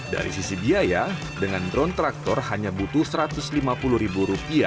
dari sisi biaya dengan drone traktor hanya butuh rp satu ratus lima puluh